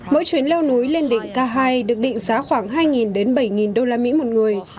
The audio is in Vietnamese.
mỗi chuyến leo núi lên đỉnh k hai được định giá khoảng hai đến bảy usd một người